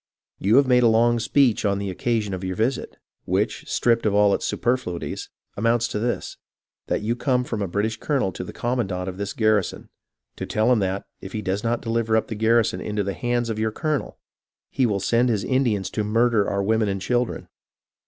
You have made a long speech on the occasion of your visit, which, stripped of all its superflui ties, amounts to this — that you come from a British colo nel to the commandant of this garrison, to tell him that, if he does not deliver up the garrison into the hands of your colonel, he will send his Indians to murder our women and children.